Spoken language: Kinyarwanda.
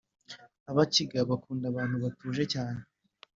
abakiga bakunda abantu batuje cyane